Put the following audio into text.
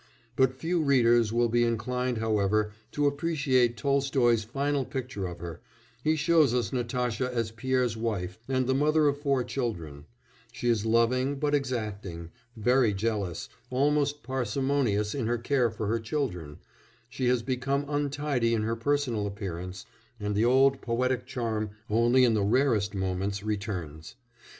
But few readers will be inclined, however, to appreciate Tolstoy's final picture of her; he shows us Natasha as Pierre's wife and the mother of four children; she is loving but exacting, very jealous, almost parsimonious in her care for her children, she has become untidy in her personal appearance, and the old poetic charm only in the rarest moments returns.